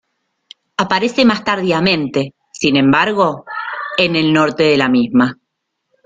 Aparece más tardíamente, sin embargo, en el norte de la misma.